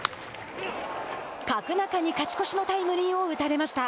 角中に勝ち越しのタイムリーを打たれました。